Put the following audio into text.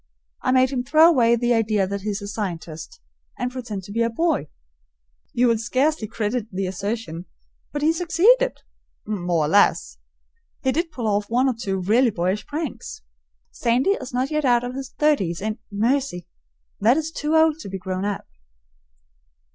I made him throw away the idea that he is a scientist, and pretend to be a boy. You will scarcely credit the assertion, but he succeeded more or less. He did pull off one or two really boyish pranks. Sandy is not yet out of his thirties and, mercy! that is too early to be grown up.